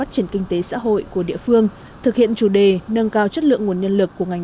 triển kinh tế xã hội của địa phương thực hiện chủ đề nâng cao chất lượng nguồn nhân lực của ngành